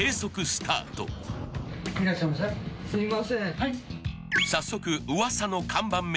はい